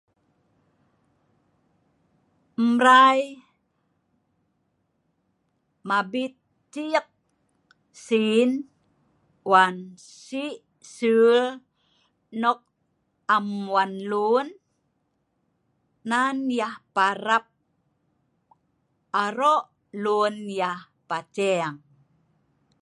Embrai mabit ciek sin wan si' sul nok am wan lun nan yah parap aro' lun yah paceng